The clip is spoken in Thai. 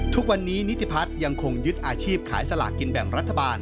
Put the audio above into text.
ทุกวันนี้นิติพัฒน์ยังคงยึดอาชีพขายสลากกินแบ่งรัฐบาล